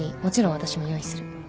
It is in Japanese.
もちろん私も用意する。